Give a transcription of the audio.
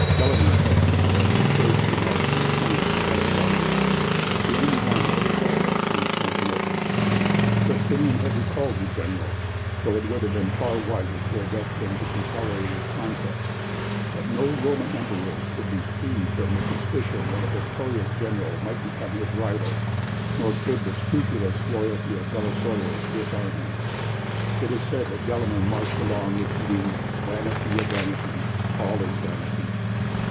Gelimer had, however, first to march in the triumph of Belisarius, the only one ever held at Constantinople! Justinian had recalled the general, though it would have been far wiser to have left him to consolidate his conquest; but no Roman emperor could be free from the suspicion that a victorious general might become his rival, nor could the scrupulous loyalty of Belisarius disarm him. It is said that Gelimer marched along, repeating, "Vanity of vanities, all is vanity."